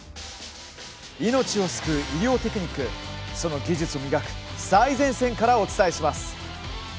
命を救う医療テクニックその技術を磨く最前線からお伝えします。